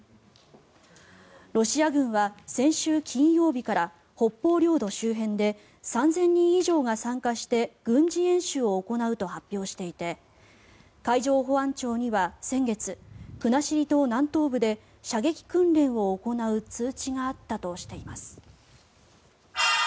ロシア軍は先週金曜日から北方領土周辺で３０００人以上が参加して軍事演習を行うと発表していて海上保安庁には先月国後島南東部で射撃訓練を行う通知があったとしています。